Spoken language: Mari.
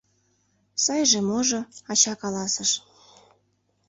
— Сайже-можо... — ача каласыш.